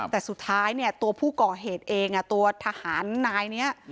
แต่สุดท้ายเนี่ยตัวผู้ก่อเหตุเองตัวทหารนายนี้